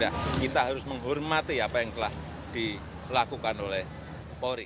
ya kita harus menghormati apa yang telah dilakukan oleh polri